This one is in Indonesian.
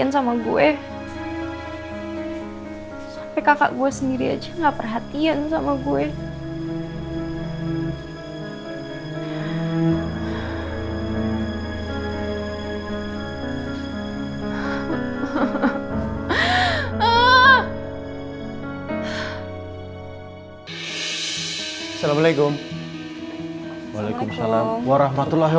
sampai jumpa di video selanjutnya